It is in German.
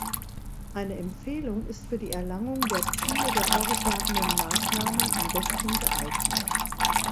Eine Empfehlung ist für die Erlangung der Ziele der vorgeschlagenen Maßnahmen am besten geeignet.